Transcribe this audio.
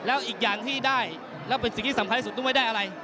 แล้วอีกอย่างที่ได้แล้วเป็นสิ่งที่สำคัญที่สุดต้องไม่ได้อะไร